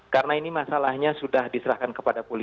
karena ini masalahnya sudah diserahkan kepada polisi